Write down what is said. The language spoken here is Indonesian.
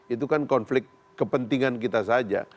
itu kan konflik kepentingan kita saja